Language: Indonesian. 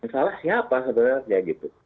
salah siapa sebenarnya